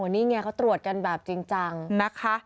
นี่ไงเขาตรวจกันแบบจริงจังนะคะ